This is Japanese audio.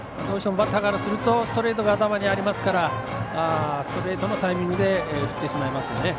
どうしてもバッターからするとストレートが頭にありますからストレートのタイミングで振ってしまいますね。